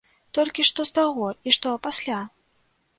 Толькі што з таго і што пасля?